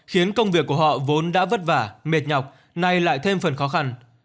khiến công việc của họ vốn đã vất vả mệt nhọc nay lại thêm phần khó khăn